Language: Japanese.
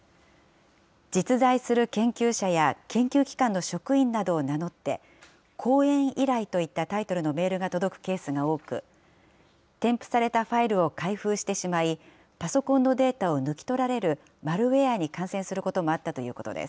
実在する研究者や研究機関の職員などを名乗って、講演依頼といったタイトルのメールが届くケースが多く、添付されたファイルを開封してしまい、パソコンのデータを抜き取られるマルウェアに感染することもあったということです。